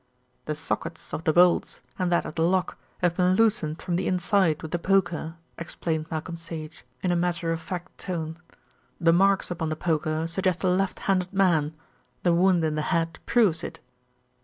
"The sockets of the bolts, and that of the lock, have been loosened from the inside with the poker," explained Malcolm Sage in a matter of fact tone. "The marks upon the poker suggest a left handed man. The wound in the head proves it."